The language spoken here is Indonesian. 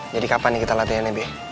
jadi kapan kita latihan be